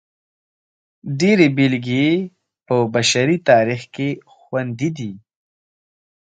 ډېرې بېلګې یې په بشري تاریخ کې خوندي دي.